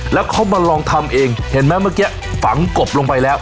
แล้วเขามาลองทำเองเห็นไหมเมื่อกี้ฝังกบลงไปแล้ว